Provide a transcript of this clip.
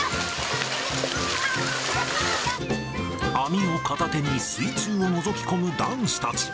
網を片手に水中をのぞき込む男子たち。